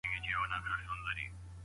خوب باید د انسان ستړیا له منځه یوسي.